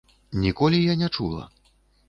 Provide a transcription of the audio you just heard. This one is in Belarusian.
Ніколі я не чула.